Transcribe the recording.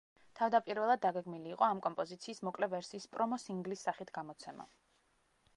თავდაპირველად დაგეგმილი იყო ამ კომპოზიციის მოკლე ვერსიის პრომო-სინგლის სახით გამოცემა.